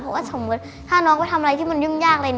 เพราะถ้าน้องไปทำอะไรที่ยื่มยากเลย